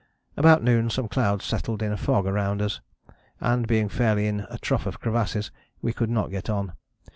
"About noon some clouds settled in a fog round us, and being fairly in a trough of crevasses we could not get on.